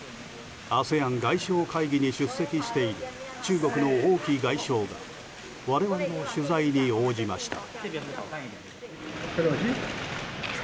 ＡＳＥＡＮ外相会議に出席している中国の王毅外相が我々の取材に応じました。